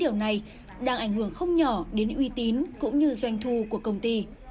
điều này đang ảnh hưởng không nhỏ đến uy tín cũng như doanh thu của công ty